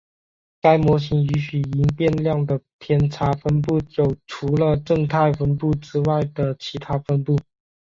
该模型允许因变量的偏差分布有除了正态分布之外的其它分布。